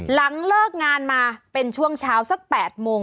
หลังเลิกงานมาเป็นช่วงเช้าสัก๘โมง